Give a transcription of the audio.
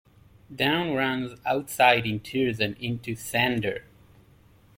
Dawn runs outside in tears and into Xander.